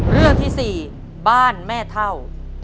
เรื่องที่๔บ้านแม่เท่า